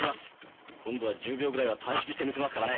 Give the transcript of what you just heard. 今度は１０秒ぐらいは短縮してみせますからね。